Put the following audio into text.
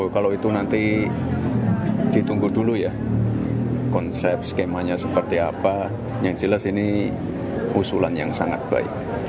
kalau itu nanti ditunggu dulu ya konsep skemanya seperti apa yang jelas ini usulan yang sangat baik